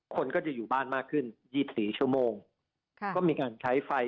คนก็จะอยู่บ้านมากขึ้น๒๔ชั่วโมงก็มีการใช้ไฟ